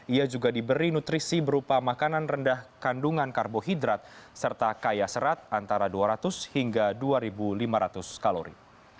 ia juga diberi nutrisi berupa makanan rendah kandungan karbohidrat serta kaya serat antara dua ratus hingga dua lima ratus kalori